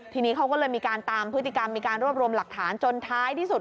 ทีนี้เขาก็เลยมีการตามพฤติกรรมมีการรวบรวมหลักฐานจนท้ายที่สุด